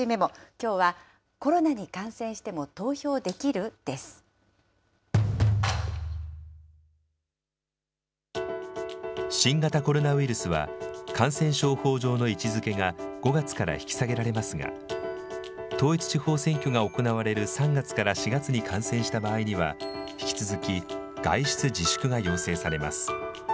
きょうはコロナに感染しても投票新型コロナウイルスは、感染症法上の位置づけが、５月から引き下げられますが、統一地方選挙が行われる３月から４月に感染した場合には、引き続き、外出自粛が要請されます。